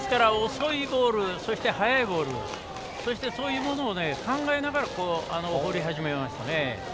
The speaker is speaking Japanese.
遅いボールそして速いボールそういうものを考えながら、放り始めましたね。